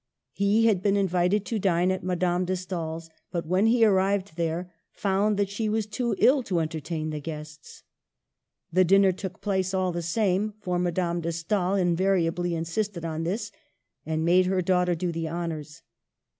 He had been invited to dine at Madame de Stael's ; but, when he ar rived there, found that she was too ill to enter tain the guests. The dinner took place all the same — for Madame de Stael invariably insisted on this, and made her daughter do the honors.